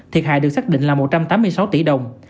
thiệt hại được xác định là một trăm tám mươi sáu tỷ đồng